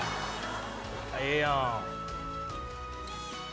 ええやん。